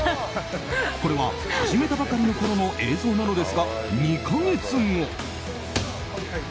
これは始めたばかりのころの映像なのですが２か月後。